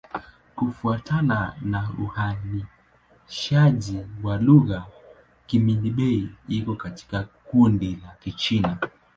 Kufuatana na uainishaji wa lugha, Kimin-Bei iko katika kundi la Kichina.